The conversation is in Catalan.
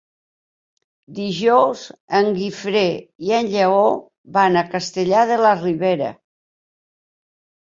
Dijous en Guifré i en Lleó van a Castellar de la Ribera.